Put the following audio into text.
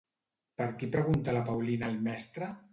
Per qui pregunta la Paulina al mestre?